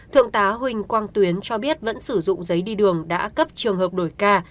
thượng tá huỳnh quang tuyến cho biết vẫn sử dụng giấy đi đường đã cấp trường hợp đổi ca